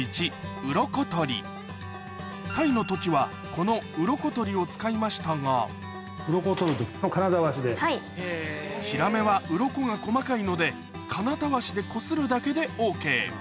タイの時はこのウロコ取りを使いましたがヒラメはウロコが細かいので金たわしでこするだけでＯＫ